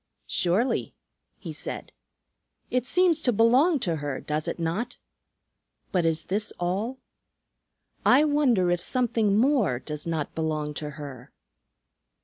"Surely," he said. "It seems to belong to her, does it not? But is this all? I wonder if something more does not belong to her."